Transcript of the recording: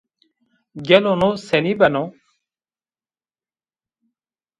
Gelo no senî beno?